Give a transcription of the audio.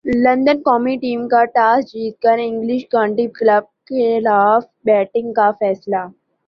London قومی team کا toss جیت کر انگلش کانٹی کلب کیخلاف بیٹنگ کا فیصلہ